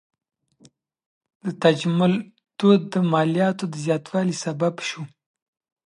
د تجمل دود د مالیاتو د زیاتوالي سبب سو.